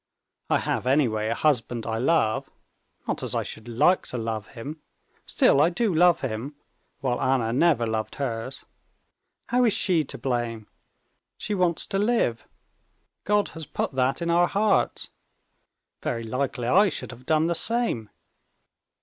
I have, anyway, a husband I love—not as I should like to love him, still I do love him, while Anna never loved hers. How is she to blame? She wants to live. God has put that in our hearts. Very likely I should have done the same.